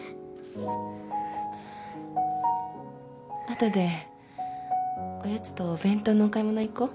後でおやつとお弁当のお買い物行こう。